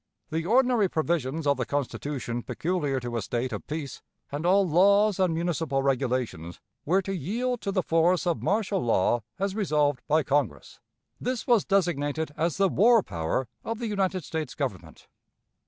The ordinary provisions of the Constitution peculiar to a state of peace, and all laws and municipal regulations, were to yield to the force of martial law, as resolved by Congress. This was designated as the "war power" of the United States Government.